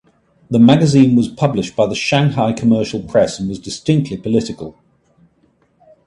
The magazine was published by the Shanghai Commercial Press and was distinctly political.